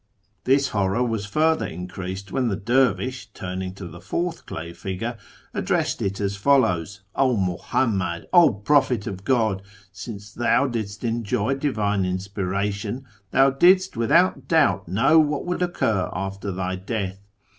" This horror was further increased when the dervish, turning to the fourth clay figure, addressed it as follows :—' 0 Muhammad ! 0 Prophet of God ! Since thou didst enjoy Divine Inspiration, thou didst without doubt know what would occur after thy death.